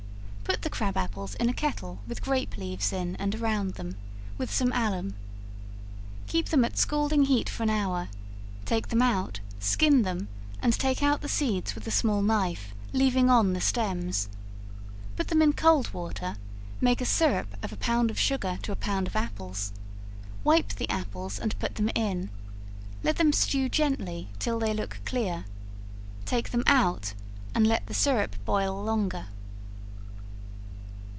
Put the crab apples in a kettle with grape leaves in and around them, with some alum; keep them at scalding heat for an hour, take them out, skin them, and take out the seeds with a small knife, leaving on the stems; put them in cold water, make a syrup of a pound of sugar to a pound of apples; wipe the apples and put them in; let them stew gently till they look clear; take them out, and let the syrup boil longer.